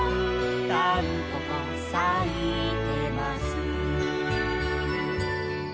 「たんぽぽさいてます」